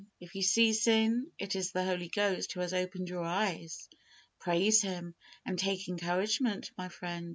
If you see sin, it is the Holy Ghost who has opened your eyes. Praise Him, and take encouragement, my friend.